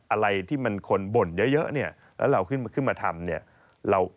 อะไรที่มันคนบ่นเยอะแล้วเราขึ้นมาทำ